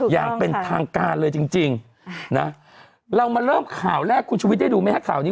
อย่างเป็นทางการเลยจริงนะเรามาเริ่มข่าวแรกคุณชุวิตได้ดูไหมฮะข่าวนี้